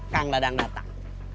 kang dadang datang